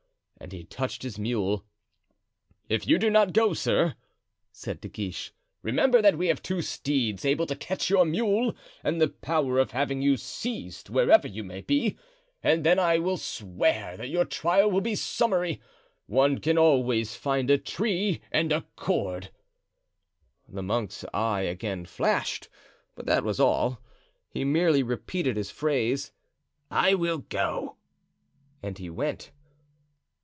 And he touched his mule. "If you do not go, sir," said De Guiche, "remember that we have two steeds able to catch your mule and the power of having you seized wherever you may be; and then I swear your trial will be summary; one can always find a tree and a cord." The monk's eye again flashed, but that was all; he merely repeated his phrase, "I will go,"—and he went.